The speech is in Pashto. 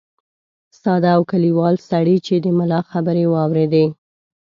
ساده او کلیوال سړي چې د ملا خبرې واورېدې.